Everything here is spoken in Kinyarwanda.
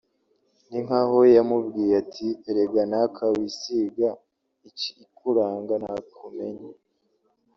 Ni nkaho yamubwiye ati “Erega naka wisiga ikikuranga nakumenye